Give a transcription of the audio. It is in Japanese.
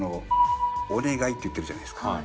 「お願い」って言ってるじゃないですか。